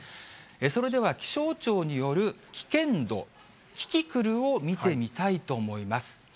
それでは気象庁による危険度、キキクルを見てみたいと思います。